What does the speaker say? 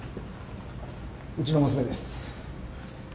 うちの娘です。